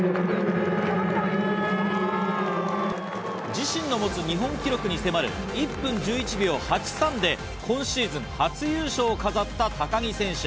自身の持つ日本記録に迫る１分１１秒８３で今シーズン初優勝を飾った高木選手。